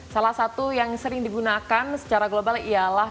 salah satu yang sering digunakan secara global ialah